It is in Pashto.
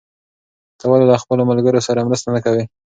ته ولې له خپلو ملګرو سره مرسته نه کوې؟